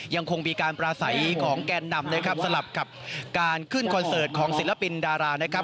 ยังคงมีการปราศัยของแกนนำนะครับสลับกับการขึ้นคอนเสิร์ตของศิลปินดารานะครับ